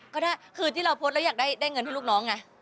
ก็ได้คือที่เราโพสต์แล้วอยากได้เงินให้ลูกน้องไง